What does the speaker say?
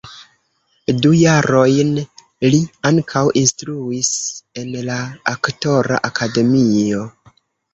Du jarojn li ankaŭ instruis en la aktora akademio.